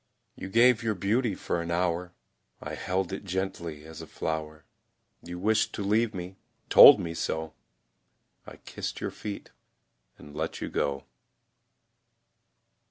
You gave your beauty for an hour, I held it gently as a flower. You wished to leave me, told me so, I kissed your feet and let you go.